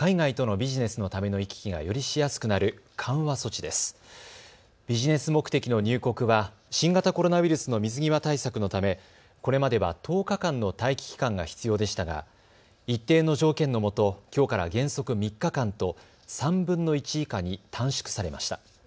ビジネス目的の入国は新型コロナウイルスの水際対策のためこれまでは１０日間の待機期間が必要でしたが一定の条件のもと、きょうから原則３日間と３分の１以下に短縮されました。